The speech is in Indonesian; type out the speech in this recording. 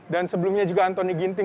dan sebelumnya juga anthony ginting